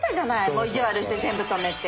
もう意地悪して全部止めて。